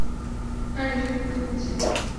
আরে এসব কি হচ্ছে?